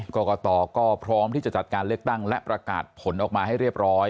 กรกตก็พร้อมที่จะจัดการเลือกตั้งและประกาศผลออกมาให้เรียบร้อย